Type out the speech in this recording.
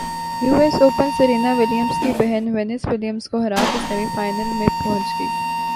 US Open Serena Williams بہن Venus Williams کو ہرا کر سیمی فائنل میں پہنچ گئی